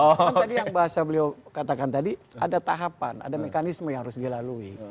karena tadi yang bahasa beliau katakan tadi ada tahapan ada mekanisme yang harus dilalui